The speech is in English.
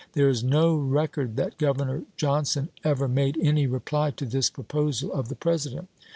There is no record that Governor John son ever made any reply to this proposal of the President.